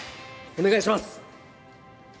お願いします！